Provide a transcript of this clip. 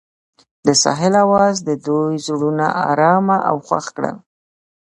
د ساحل اواز د دوی زړونه ارامه او خوښ کړل.